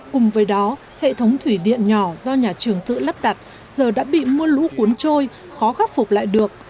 cùng với đó hệ thống thủy điện nhỏ do nhà trường tự lắp đặt giờ đã bị mưa lũ cuốn trôi khó khắc phục lại được